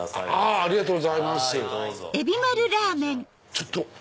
ちょっと。